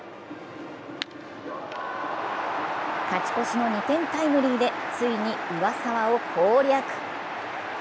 勝ち越しの２点タイムリーでついに上沢を攻略。